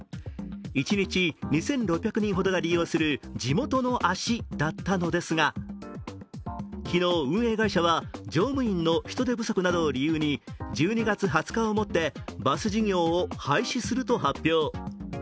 一日２６００人ほどが利用する地元の足だったのですが、昨日、運営会社は乗務員の人手不足などを理由に１２月２０日をもってバス事業を廃止すると発表。